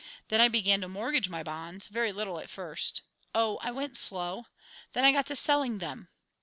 Then I began to mortgage my bonds, very little at first. Oh, I went slow! Then I got to selling them.